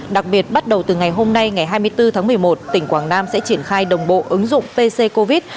đặc biệt bắt đầu từ ngày hôm nay ngày hai mươi bốn tháng một mươi một tỉnh quảng nam sẽ triển khai đồng bộ ứng dụng pc covid